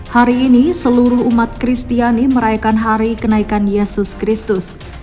hari ini seluruh umat kristiani merayakan hari kenaikan yesus kristus